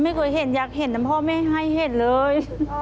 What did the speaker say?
ไม่เคยเห็นอยากเห็นแต่พ่อแม่ให้เห็นเลย